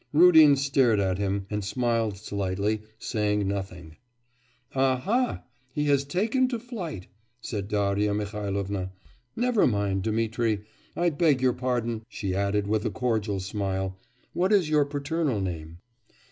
Rudin stared at him, and smiled slightly, saying nothing. 'Aha! he has taken to flight!' said Darya Mihailovna. 'Never mind, Dmitri...! I beg your pardon,' she added with a cordial smile, 'what is your paternal name?